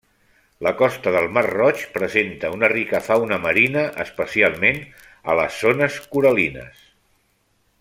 La costa del Mar Roig presenta una rica fauna marina, especialment a les zones coral·lines.